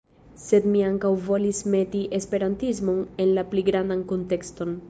Sed mi ankaŭ volis meti esperantismon en la pli grandan kuntekston.